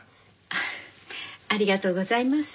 ありがとうございます。